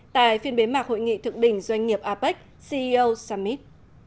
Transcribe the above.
tại phiên bế mạc hội nghị thượng đỉnh doanh nghiệp apec ceo summit